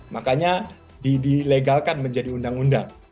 makanya dilegalkan menjadi undang undang